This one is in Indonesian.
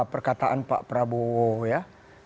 perkataan pak prabowo ya